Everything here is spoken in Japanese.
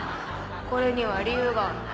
これには理由があんねん。